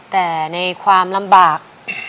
แต่ในความลำบาก